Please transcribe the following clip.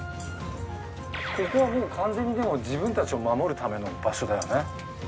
ここはもう完全にでも自分たちを守るための場所だよね。